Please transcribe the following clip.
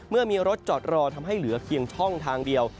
เมื่อมีรถจอดรอทำให้เหลือเพียงช่องทางเดียว